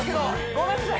ごめんなさい！